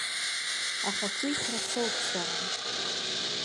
Ахақәиҭра соуп сара.